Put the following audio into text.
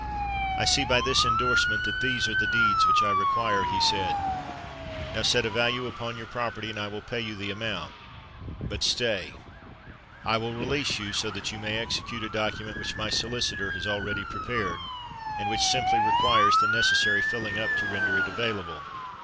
"I see by the endorsement that these are the deeds which I require," he said. "Now set a value upon your property, and I will pay you the amount. But stay—I will release you, so that you may execute a document which my solicitor has already prepared, and which simply requires the necessary filling up to render it available."